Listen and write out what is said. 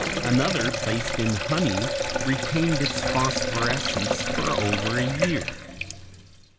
Another placed in honey retained its phosphorescence for over a year.